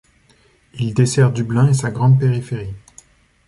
Il dessert Dublin et sa grande périphérie.